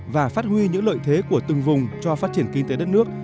và phát huy những lợi thế của từng vùng cho phát triển kinh tế đất nước